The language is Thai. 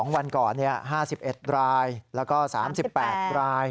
วันก่อน๕๑รายแล้วก็๓๘ราย